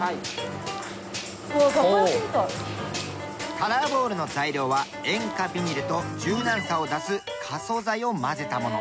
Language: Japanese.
カラーボールの材料は塩化ビニルと柔軟さを出す可塑剤を混ぜたもの。